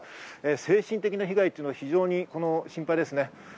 精神的な被害は非常に心配ですね。